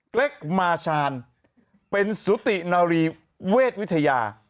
เล็กมาชาญเป็นสุตินารีเวชวิทยา